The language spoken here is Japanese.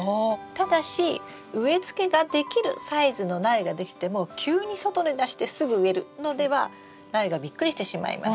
ただし植えつけができるサイズの苗ができても急に外に出してすぐ植えるのでは苗がびっくりしてしまいます。